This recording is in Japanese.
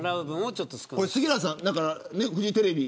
杉原さん、フジテレビ。